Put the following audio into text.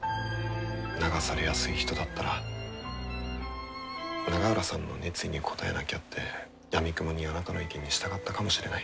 流されやすい人だったら永浦さんの熱意に応えなきゃってやみくもにあなたの意見に従ったかもしれない。